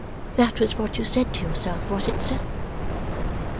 That was what you said to yourself, was it, sir?